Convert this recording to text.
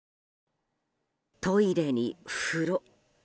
トイレに風呂。